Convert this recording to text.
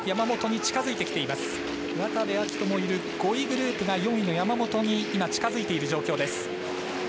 渡部暁斗もいる５位グループが４位の山本に今、近づいている状況です。